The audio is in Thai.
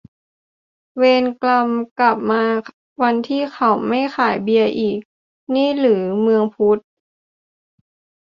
เวรกรรม กลับมาวันที่เขาไม่ขายเบียร์อีก นี่หรือเมืองพุทธ !